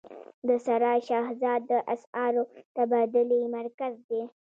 د سرای شهزاده د اسعارو تبادلې مرکز دی